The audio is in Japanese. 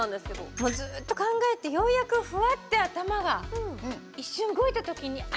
もうずっと考えてようやくフワッて頭が一瞬動いた時にああ！